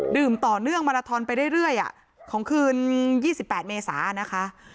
ต่อเนื่องมาลาทอนไปเรื่อยของคืน๒๘เมษานะคะ